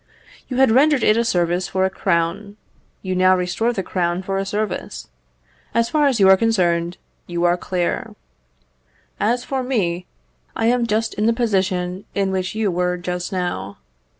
You had rendered it a service for a crown, you now restore the crown for a service; as far as you are concerned, you are clear. As for me, I am just in the position in which you were just now.